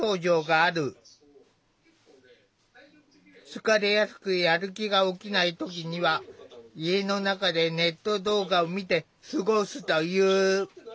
疲れやすくやる気が起きない時には家の中でネット動画を見て過ごすという。